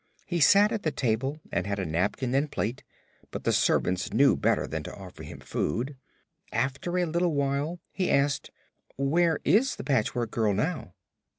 He sat at the table and had a napkin and plate, but the servants knew better than to offer him food. After a little while he asked: "Where is the Patchwork Girl now?"